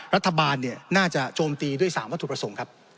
รัฐบาลน่าจะโจมตีด้วย๓วัตถุประสงค์ครับ